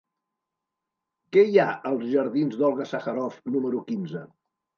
Què hi ha als jardins d'Olga Sacharoff número quinze?